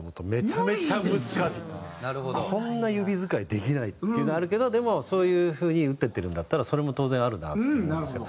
こんな指使いできないっていうのあるけどでもそういう風に打っていってるんだったらそれも当然あるなって思うんですけど。